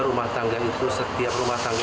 rumah tangga itu setiap rumah tangga